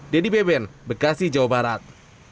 dedy beben bekasi jawa barat